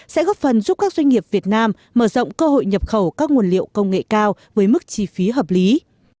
sẽ góp phần giúp các doanh nghiệp việt nam mở rộng cơ hội nhập khẩu các nguồn liệu công nghệ cao với mức chi phí hợp lý